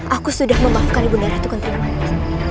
aku sudah memaafkan ibu nera ketrimanik